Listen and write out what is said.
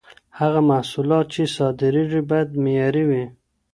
هغه محصولات چي صادرېږي، بايد معياري وي.